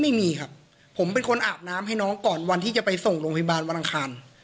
ไม่มีครับผมเป็นคนอาบน้ำให้น้องก่อนวันที่จะไปส่งโรงพยาบาลวันอังคาร